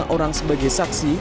lima orang sebagai saksi